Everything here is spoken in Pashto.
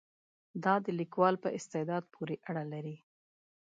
دا د لیکوال په استعداد پورې اړه لري.